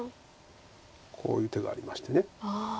こういう手がありまして。